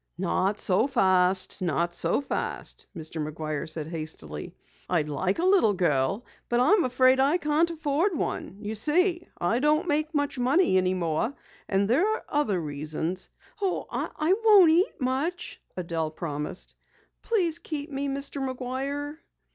"Not so fast, not so fast," Mr. McGuire said hastily. "I'd like a little girl, but I am afraid I can't afford one. You see, I don't make much money any more and there are other reasons " "Oh, I won't eat much," Adelle promised. "Please keep me, Mr. McGuire."